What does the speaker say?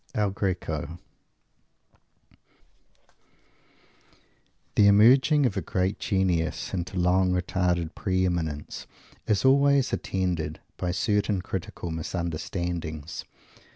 EL GRECO The emerging of a great genius into long retarded pre eminence is always attended by certain critical misunderstandings.